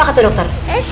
apa kata dokter